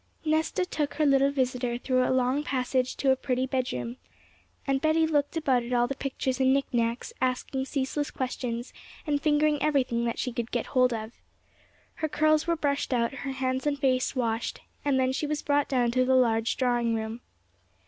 Nesta took her little visitor through a long passage to a pretty bedroom, and Betty looked about at all the pictures and knick knacks, asking ceaseless questions, and fingering everything that she could get hold of. Her curls were brushed out, her hands and face washed, and then she was brought down to the large drawing room.